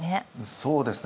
そうですね。